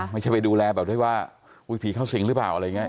ไม่ใช่ไปดูแลแบบด้วยว่าพี่เข้าสิงหรือเปล่าอะไรอย่างนี้